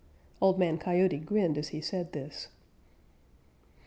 Old Man Coyote grinned as he said this.